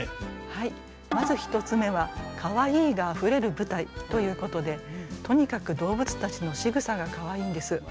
はいまず１つ目は「カワイイがあふれる舞台」ということでとにかく動物たちのしぐさがカワイイんです。